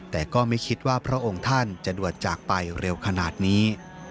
แต่ก็ไม่คิดว่าพระองค์ท่านจะด่วนจากไปเร็วขนาดนี้